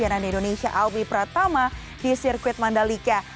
yang ada di indonesia albi pratama di sirkuit mandalika